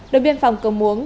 đội biên phòng cầu muống